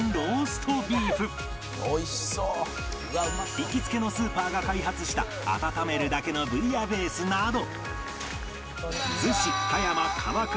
行きつけのスーパーが開発した温めるだけのブイヤベースなど